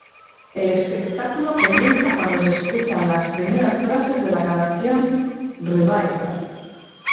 El espectáculo comienza cuando se escuchan las primeras frases de la canción Revival.